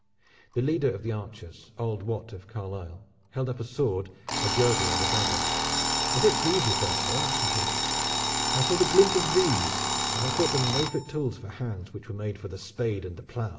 The leader of the archers, old Wat of Carlisle, held up a sword, a girdle and a dagger. "If it please you, fair sir," said he, "I saw the glint of these, and I thought them no fit tools for hands which were made for the spade and the plow.